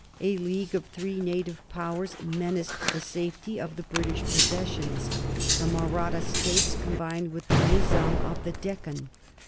A league of three native powers menaced the safety of the British possessions. The Mahratta states combined with the Nizam of the Deccan.